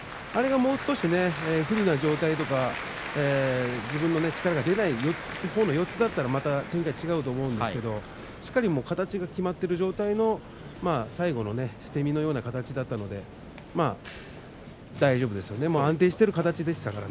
あれがもう少し不利な状態とか自分の力が出ないほうの四つだったらまた違うと思うんですけれどもしっかり形が決まっている状態の最後の捨て身のような形だったので大丈夫ですよね。